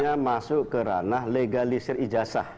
kami kan hanya masuk kerana legalisir ijazah